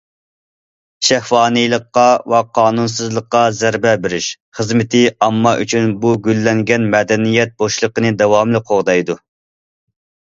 « شەھۋانىيلىققا ۋە قانۇنسىزلىققا زەربە بېرىش» خىزمىتى ئامما ئۈچۈن بۇ گۈللەنگەن مەدەنىيەت بوشلۇقىنى داۋاملىق قوغدايدۇ.